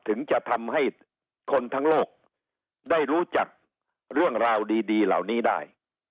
ถึงจะทำให้คนทั้งโลกได้รู้จักเรื่องราวดีเหล่านี้ได้